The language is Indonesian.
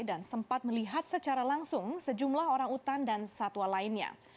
dan sempat melihat secara langsung sejumlah orang utan dan satwa lainnya